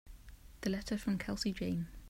The letter from Kelsey Jane.